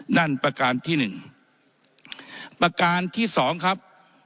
ประการที่หนึ่งประการที่สองครับ